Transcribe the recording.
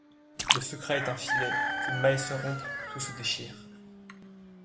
Le secret est un filet ; qu’une maille se rompe, tout se déchire.